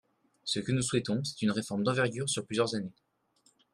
Ce que nous souhaitons, c’est une réforme d’envergure sur plusieurs années.